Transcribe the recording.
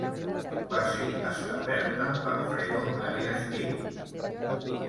Va ser establerta per Fredo Arias-King.